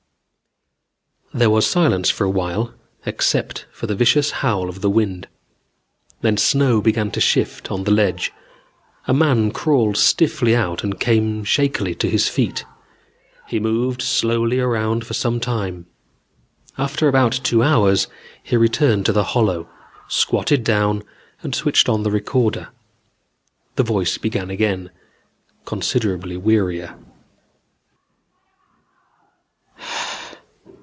There was silence for a while except for the vicious howl of the wind. Then snow began to shift on the ledge. A man crawled stiffly out and came shakily to his feet. He moved slowly around for some time. After about two hours he returned to the hollow, squatted down and switched on the recorder. The voice began again, considerably wearier.